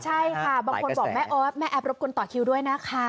ใช่ค่ะบางคนบอกแม่ออฟแม่แอฟรบกุลต่อคิวด้วยนะคะ